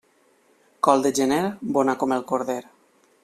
Col de gener, bona com el corder.